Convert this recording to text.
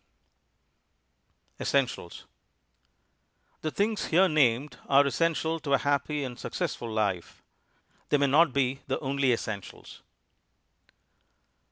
_ ESSENTIALS The things here named are essential to a happy and successful life. They may not be the only essentials.